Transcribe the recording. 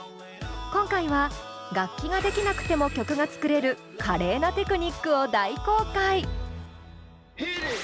今回は楽器ができなくても曲が作れる華麗なテクニックを大公開！